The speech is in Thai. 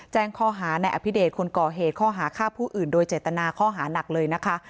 แจ้งข้อหาในอภิเดชคนก่อเหตุข้อหาฆ่าผู้อื่นโดยเจตนาข้อหานักเลยนะคะ